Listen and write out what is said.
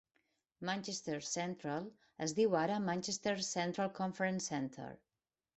Manchester Central es diu ara Manchester Central Conference Centre.